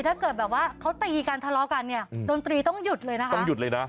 ถ้าเกิดแบบว่าเค้าตีกันทะเลาะกันเนี่ยดนตรีต้องหยุดเลยนะคะ